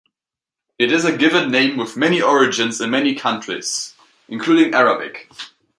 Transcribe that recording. It is a given name with many origins in many countries including Arabic.